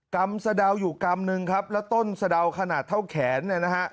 ำสะดาวอยู่กำนึงครับแล้วต้นสะดาวขนาดเท่าแขนเนี่ยนะฮะ